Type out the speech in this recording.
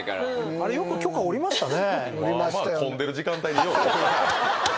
あれよく許可下りましたね。